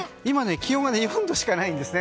気温が今、４度しかないんですね。